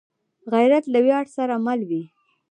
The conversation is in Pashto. غیرت له ویاړ سره مل وي